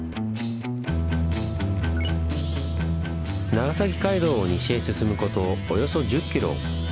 長崎街道を西へ進むことおよそ１０ｋｍ。